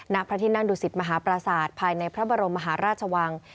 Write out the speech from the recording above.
ณพระที่นั่งดุสิตมหาปราศาสตร์ภายในพระบรมมหาราชวัง